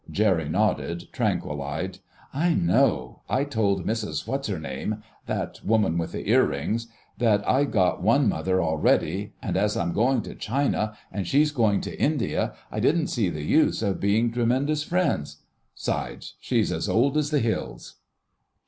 Jerry nodded, tranquil eyed. "I know. I told Mrs What's her name—that woman with the ear rings—that I'd got one mother already; and as I'm going to China, and she's going to India, I didn't see the use of being tremendous friends. 'Sides, she's as old as the hills."